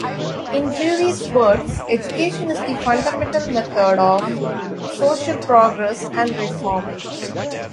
In Dewey's words, education is the fundamental method of social progress and reform.